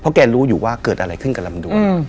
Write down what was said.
แกรู้อยู่ว่าเกิดอะไรขึ้นกับลำดวน